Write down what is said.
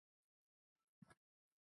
当时她是世界最大的赛渔艇。